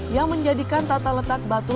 yang menjadikan tata letak batu